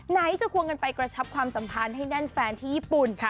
ไหนจะควงกันไปกระชับความสัมพันธ์ให้แน่นแฟนที่ญี่ปุ่น